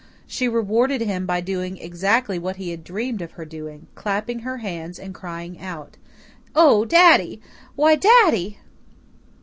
She rewarded him by doing exactly what he had dreamed of her doing, clapping her hands and crying out: "Oh, daddy! Why, daddy!"